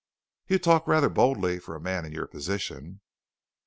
"You talk rather boldly for a man in your position."